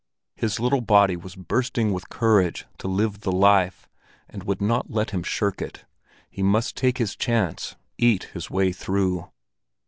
His little body was bursting with courage to live the life, and would not let him shirk it; he must take his chance—eat his way through.